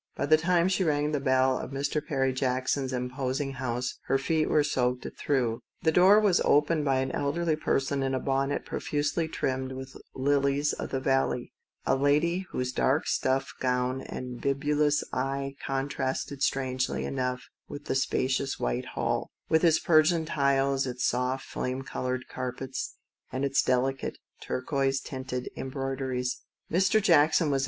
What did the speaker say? By the time she rang the bell of Mr. Perry Jackson's impos ing house her feet were soaked through. 192 THE STORY OF A MODERN WOMAN. The door was opened by an elderly person in a bonnet profusely trimmed with lilies of the valley, a lady whose dark stuff gown and bibulous eyes contrasted strangely enough with the spacious white hall with its Persian tiles, its soft, flame coloured carpets, and its vases of delicate peach tinted rhododendrons.